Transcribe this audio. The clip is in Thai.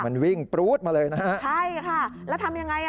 มันวิ่งปรู๊ดมาเลยนะฮะใช่ค่ะแล้วทำยังไงอ่ะ